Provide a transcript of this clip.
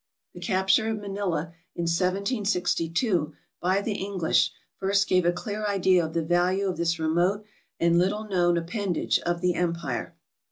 The capture of Manila, in 1762, by the English, first gave a clear idea of the value of this remote and little known appendage of the empire.